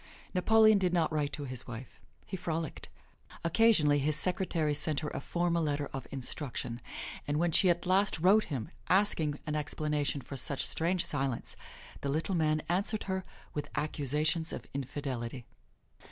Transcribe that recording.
Napoleon did not write to his wife. He frolicked. Occasionally his secretary sent her a formal letter of instruction, and when she at last wrote him asking an explanation for such strange silence, the Little Man answered her with accusations of infidelity.